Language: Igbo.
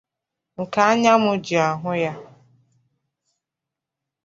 nke anya mụ ji ahụ ya.